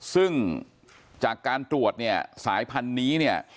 ซึ่งจากการตรวจสายพันธุ์นี้